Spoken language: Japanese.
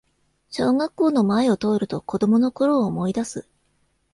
小学校の前を通ると子供のころを思いだす